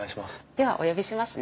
ではお呼びしますね。